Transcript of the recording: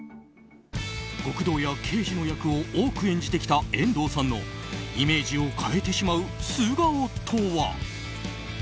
極道や刑事の役を多く演じてきた遠藤さんのイメージを変えてしまう素顔とは。